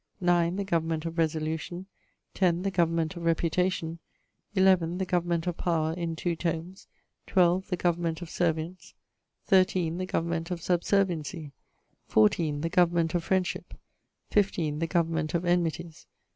9. The Government of Resolution. 10. The Government of Reputation. 11. The Government of Power: in 2 tomes. 12. The Government of Servients. 13. The Government of Subserviency. 14. The Government of Friendshipp. 15. The Government of Enmities.